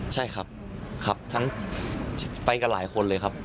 ใช่ครับครับทั้งไปกับหลายคนเลยครับ